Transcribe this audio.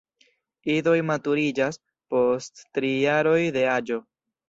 Idoj maturiĝas post tri jaroj de aĝo.